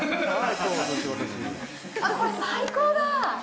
あっ、これ最高だ。